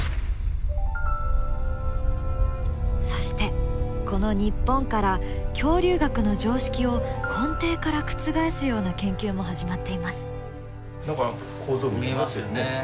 そしてこの日本から恐竜学の常識を根底から覆すような研究も始まっています。